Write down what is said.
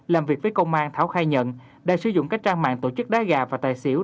làm việc với công an thảo khai nhận đã sử dụng các trang mạng tổ chức đá gà và tài xỉu